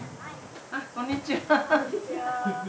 あっこんにちは。